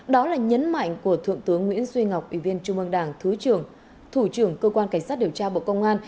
đó là nhấn mạnh của thượng tướng nguyễn duy ngọc ủy viên trung ương đảng thứ trưởng thủ trưởng cơ quan cảnh sát điều tra bộ công an